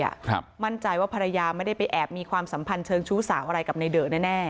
ครับมั่นใจว่าภรรยาไม่ได้ไปแอบมีความสัมพันธ์เชิงชู้สาวอะไรกับในเดอะแน่แน่